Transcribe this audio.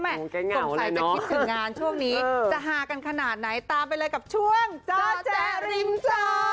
สงสัยจะคิดถึงงานช่วงนี้จะฮากันขนาดไหนตามไปเลยกับช่วงจ้าแจ๊ริมจ้า